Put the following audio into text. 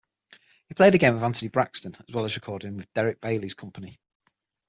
He played again with Anthony Braxton, as well as recording with Derek Bailey's Company.